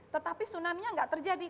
tetapi tsunami nya tidak terjadi